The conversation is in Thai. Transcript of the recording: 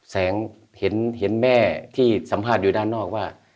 แสงเห็นแม่ที่สัมภาษณ์อยู่ด้านนอกว่า